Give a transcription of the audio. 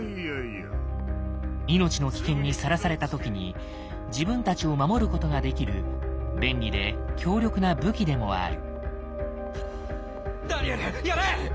命の危険にさらされた時に自分たちを守ることができる便利で強力な武器でもある。